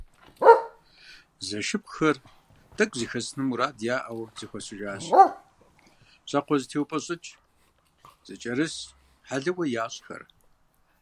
Зэшыпхъухэр, тӏэкӏу зэхэсын мурадыр яӏэу зэхуэсыжащ. Щӏакхъуэзэтеупӏэщӏыкӏ, зэкӏэрыс, хьэлыуэ ящӏхэр.